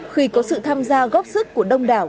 khi có sự tham gia góp sức của đông đảo